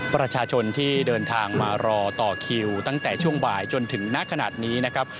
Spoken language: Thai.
ประชาชนที่เดินทางมารอต่อคิวตั้งแต่ช่วงบ่ายจนถึงณขนาดนี้นะครับ